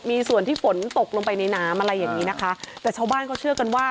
มีส่วนที่ฝนตกลงไปในน้ำอะไรอย่างนี้นะคะแต่ชาวบ้านเขาเชื่อกันว่า